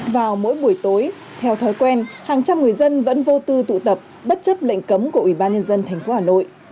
vào mỗi buổi tối theo thói quen hàng trăm người dân vẫn vô tư tụ tập bất chấp lệnh cấm của ủy ban nhân dân tp hà nội